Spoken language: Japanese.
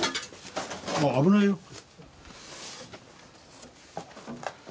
あ危ないよ。